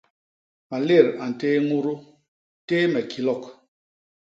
Malét a ntéé ñudu, téé me kilok.